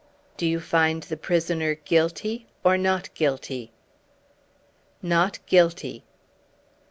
"Do you find the prisoner guilty or not guilty?" "Not guilty."